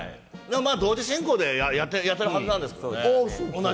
同時進行でやってるはずなんですけどね。